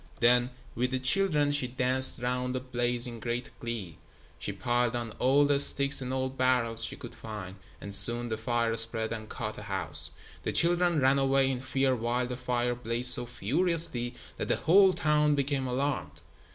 Then, with the children, she danced round the blaze in great glee. She piled on all the sticks and old barrels she could find, and soon the fire spread and caught a house. The children ran away in fear while the fire blazed so furiously that the whole town became alarmed.